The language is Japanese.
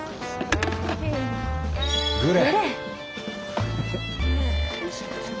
グレ。